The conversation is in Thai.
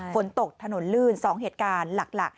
ฝนตกถนนลื่น๒เหตุการณ์หลัก